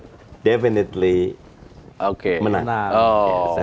pdip nya lagi turun ke lima belas